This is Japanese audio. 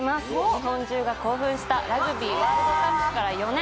日本中が興奮したラグビーワールドカップから４年。